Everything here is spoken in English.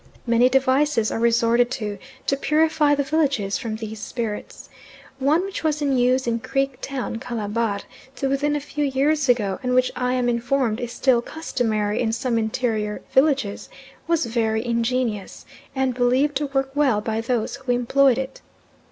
Many devices are resorted to, to purify the villages from these spirits. One which was in use in Creek Town, Calabar, to within a few years ago, and which I am informed is still customary in some interior villages, was very ingenious, and believed to work well by those who employed it.